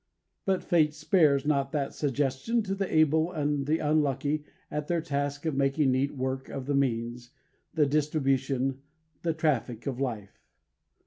But fate spares not that suggestion to the able and the unlucky at their task of making neat work of the means, the distribution, the traffick of life.